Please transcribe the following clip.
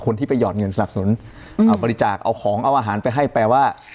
ที่ไปหยอดเงินสนับสนุนเอาบริจาคเอาของเอาอาหารไปให้แปลว่า